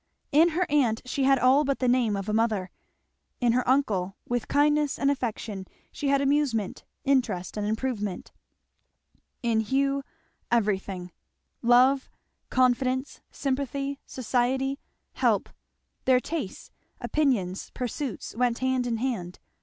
In her aunt she had all but the name of a mother; in her uncle, with kindness and affection, she had amusement, interest, and improvement; in Hugh everything; love, confidence, sympathy, society, help; their tastes, opinions, pursuits, went hand in hand.